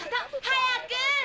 早く！